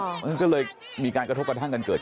มันก็จะมีทั้งเห็นชอบไม่เห็นชอบ